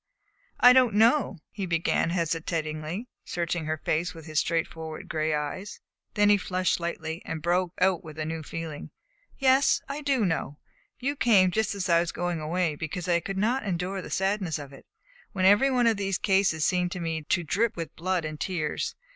"I don't know," he began hesitatingly, searching her face with his straightforward gray eyes. Then he flushed slightly, and broke out with new feeling: "Yes; I do know. You came just as I was going away because I could not endure the sadness of it; when every one of these cases seemed to me to drip with blood and tears.